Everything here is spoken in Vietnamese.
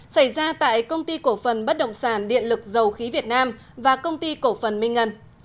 xảy ra tại công ty cổ phần bất động sản điện lực dầu khí việt nam và công ty cổ phần minh ngân